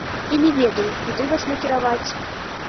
І не ведаю, куды вас накіраваць.